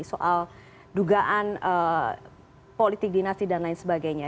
soal dugaan politik dinasti dan lain sebagainya